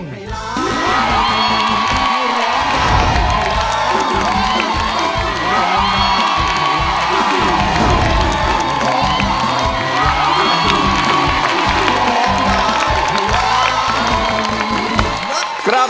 ไว้ร้องถูก